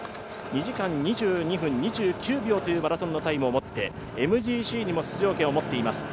２時間２２分２９分というマラソンのタイムを持って、ＭＧＣにも出場権を持っています。